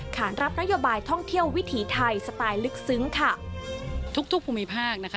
ขานรับนโยบายท่องเที่ยววิถีไทยสไตล์ลึกซึ้งค่ะทุกทุกภูมิภาคนะคะ